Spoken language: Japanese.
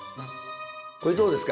これどうですか？